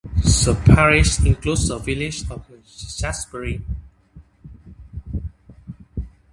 The parish includes the village of Yatesbury.